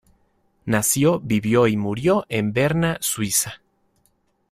Nació, vivió y murió en Berna, Suiza.